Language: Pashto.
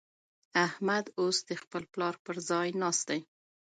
احمد اوس د خپل پلار پر ځای ناست دی.